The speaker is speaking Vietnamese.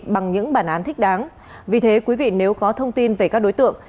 bằng những bản án thích đáng vì thế quý vị nếu có thông tin về các đối tượng